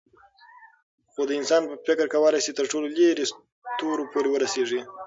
خو د انسان فکر کولی شي تر ټولو لیرې ستورو پورې ورسېږي.